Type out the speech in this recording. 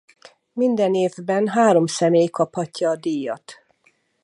Minden évben három személy kaphatja a díjat.